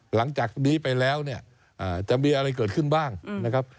หลังจากนี้ไปแล้วเนี่ยจะมีอะไรเกิดขึ้นบ้างนะครับ